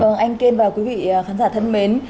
vâng anh kênh vào quý vị khán giả thân mến